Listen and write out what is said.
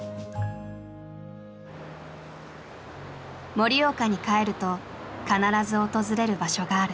盛岡に帰ると必ず訪れる場所がある。